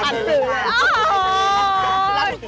เพราะว่าจริงเราก็รักกันอยู่แล้วค่ะ